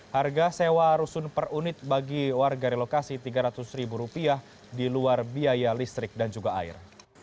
harga sewa rusun per unit bagi warga relokasi rp tiga ratus di luar biaya listrik dan juga air